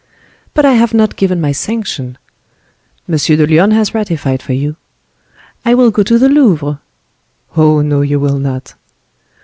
"But I have not given my sanction." "M. de Lyonne has ratified for you." "I will go to the Louvre." "Oh, no, you will not."